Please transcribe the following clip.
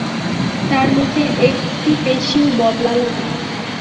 তাঁর মুখের একটি পেশিও বদলাল না।